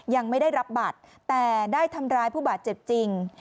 ยังไม่ได้รับบัตรแต่ได้ทำร้ายผู้บาดเจ็บจริง